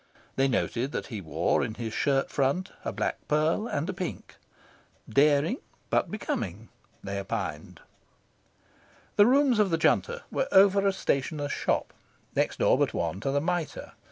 They noted that he wore in his shirt front a black pearl and a pink. "Daring, but becoming," they opined. The rooms of the Junta were over a stationer's shop, next door but one to the Mitre.